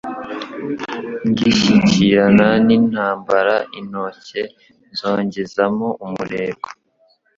Ngishyikirana n'intambara intoke nzongezamo umurego